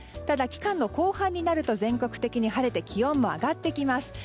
ただ、期間の後半になると全国的に晴れて気温も上がってきます。